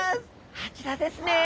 あちらですね！